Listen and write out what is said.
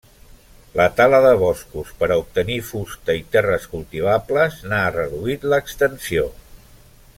La tala de boscos per a obtenir fusta i terres cultivables n'ha reduït l'extensió.